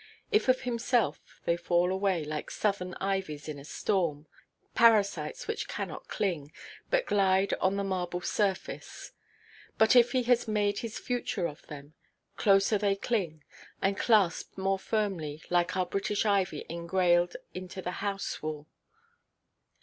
If of himself, they fall away, like Southern ivies in a storm, parasites which cannot cling, but glide on the marble surface. But if he has made his future of them, closer they cling, and clasp more firmly, like our British ivy engrailed into the house wall.